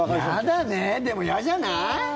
嫌だねでも嫌じゃない？